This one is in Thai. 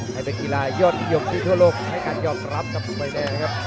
ให้เป็นกีฬายอดนิยมที่ทั่วโลกให้การยอมรับกับมุมไฟแดงนะครับ